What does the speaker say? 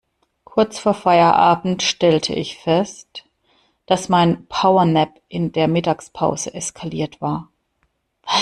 Kurz vor Feierabend stellte ich fest, dass mein Powernap in der Mittagspause eskaliert war.